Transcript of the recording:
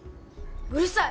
うるさい！